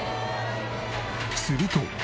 すると。